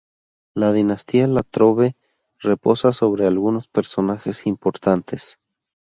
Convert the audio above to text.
La dinastía La Trobe reposa sobre algunos personajes importantes.